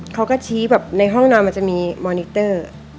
เขาก็ชี้แบบในห้องนอนมันจะมีมอนิเตอร์